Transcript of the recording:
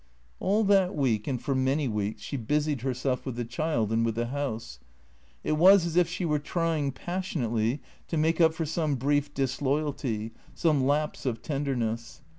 All that week, and for many weeks, she busied herself with the child and with the house. It was as if she were trying, passionately, to make up for some brief disloyalty, some lapse of tenderness.